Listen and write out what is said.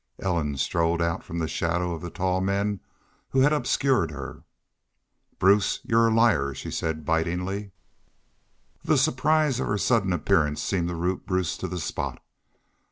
Ellen strode out from the shadow of the tall men who had obscured her. "Bruce, y'u're a liar," she said, bitingly. The surprise of her sudden appearance seemed to root Bruce to the spot.